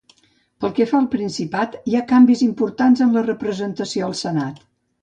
Pel què fa al Principat, hi ha canvis importants en la representació al senat.